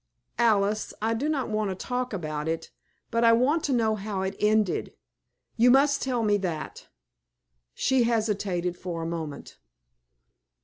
"Alice, I do not want to talk about it, but I want to know how it ended. You must tell me that." She hesitated for a moment.